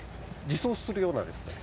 自走するようなですね